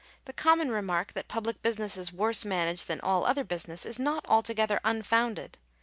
The common remark that public business is worse managed than all other business, is not altogether unfounded.